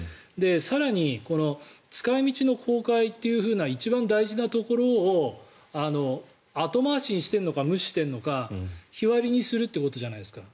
更に、使い道の公開という一番大事なところを後回しにしてるのか無視してるのか日割りにするということじゃないですか。